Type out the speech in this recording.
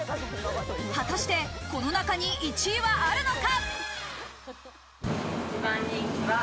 果たして、この中に１位はあるのか？